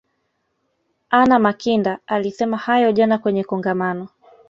anna makinda alisema hayo jana kwenye kongamano